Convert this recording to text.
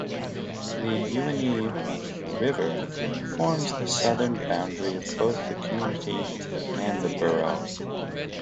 The Ewenny River forms the southern boundary of both the community and the borough.